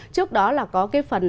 trước đó là có cái phần